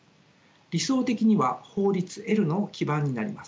理想的には法律の基盤になります。